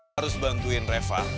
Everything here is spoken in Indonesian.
harus bantuin reva